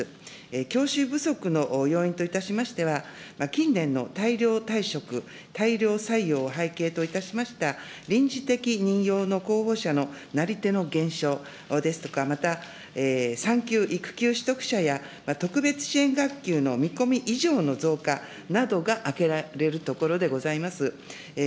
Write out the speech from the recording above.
教師不足の要因といたしましては、近年の大量退職、大量採用を背景といたしました、臨時的任用の候補者のなりての減少ですとか、また産休、育休取得者や、特別支援学級の見込み以上の増加などが挙げられるところでございます。